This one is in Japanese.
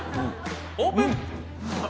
オープン。